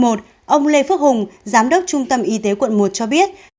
ông lê phước hùng giám đốc trung tâm y tế quận một cho biết